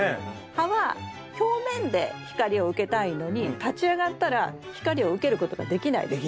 葉は表面で光を受けたいのに立ち上がったら光を受けることができないですよね。